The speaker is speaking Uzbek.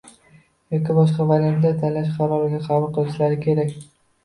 yoki boshqa variantni tanlash qarorini qabul qilishlari kerak.